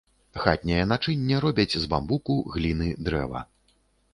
Хатняе начынне робяць з бамбуку, гліны, дрэва.